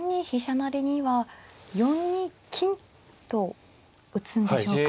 成には４二金と打つんでしょうか。